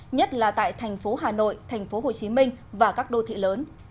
nhất là tại thành phố hà nội thành phố hồ chí minh và các đô thị lớn